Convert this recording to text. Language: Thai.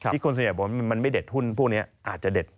คนส่วนใหญ่บอกว่ามันไม่เด็ดหุ้นพวกนี้อาจจะเด็ด